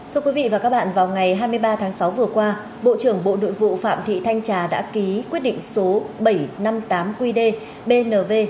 thưa quý vị và các bạn vào ngày hai mươi ba tháng sáu vừa qua bộ trưởng bộ nội vụ phạm thị thanh trà đã ký quyết định số bảy trăm năm mươi tám qd bnv